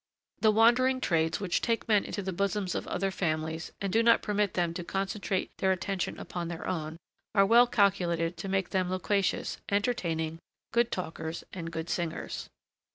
The wandering trades which take men into the bosoms of other families and do not permit them to concentrate their attention upon their own, are well calculated to make them loquacious, entertaining, good talkers, and good singers.